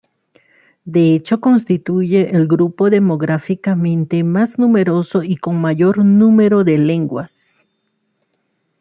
De hecho constituyen el grupo demográficamente más numeroso y con mayor número de lenguas.